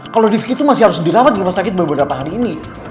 kalau rifqi tuh masih harus dilawat di rumah sakit beberapa hari ini